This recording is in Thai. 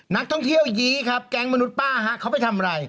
นักท่องเที่ยวยี้ครับแก๊งมนุษย์ป้าฮะเขาไปทำอะไร